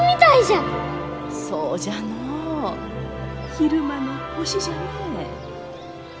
昼間の星じゃね。